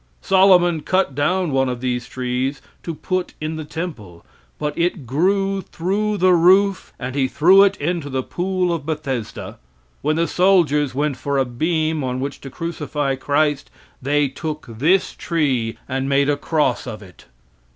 Solomon cut down one of these trees to put in the temple, but it grew through the roof and he threw it into the pool of Bethesda. When the soldiers went for a beam on which to crucify Christ they took this tree and made a cross of it.